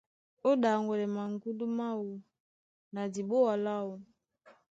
Ó ɗaŋgwɛlɛ maŋgúndú máō na diɓoa láō.